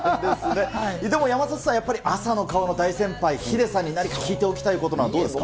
かわいいアラームでも山里さん、やっぱり、朝の顔の大先輩、ヒデさんに何か聞いておきたいことなど、どうですか。